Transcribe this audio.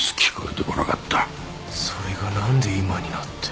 それが何で今になって。